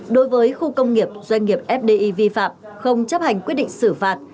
đối với khu công nghiệp doanh nghiệp fdi vi phạm không chấp hành quyết định xử phạt